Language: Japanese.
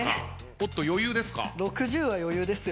おっと余裕ですか？